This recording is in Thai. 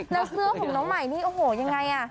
แล้วเสื้อของน้องใหม่นี่โอ้โหยังไงอ่ะ